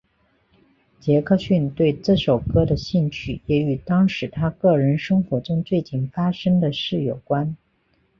杰克逊对这首歌的兴趣也与当时他个人生活中最近发生的事有关。